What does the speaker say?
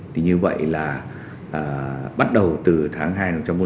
thì như vậy là bắt đầu từ tháng hai năm một nghìn chín trăm bốn mươi sáu